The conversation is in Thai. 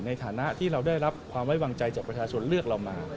ในฐานะที่เราได้รับความไว้วางใจจากประชาชนเลือกเรามา